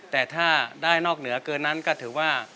แต่ถ้าได้นอกเหนือเกินนั้นก็ถือว่า